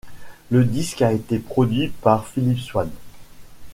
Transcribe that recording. Le disque a été produit par Philippe Swan.